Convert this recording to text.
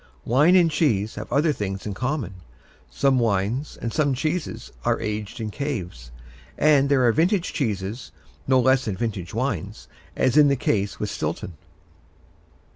Wine and cheese have other things in common. Some wines and some cheeses are aged in caves, and there are vintage cheeses no less than vintage wines, as is the case with Stilton.